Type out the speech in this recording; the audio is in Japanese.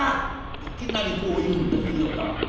いきなりこう言うんですよ旦那。